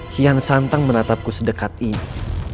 kian santang menatapku sedekat ini